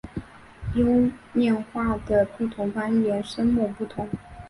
优念话的不同方言声母不同。